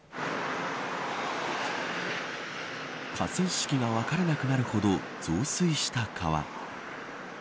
河川敷が分からなくなるほど増水した川。